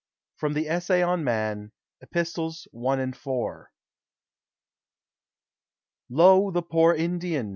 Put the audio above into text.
FROM THE "ESSAY ON MAN," EPISTLES I AND IV. Lo, the poor Indian!